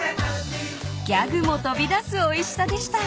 ［ギャグも飛び出すおいしさでした］